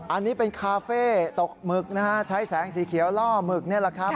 อันนี้เป็นคาเฟ่ตกหมึกนะฮะใช้แสงสีเขียวล่อหมึกนี่แหละครับ